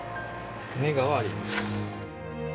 ネガはあります。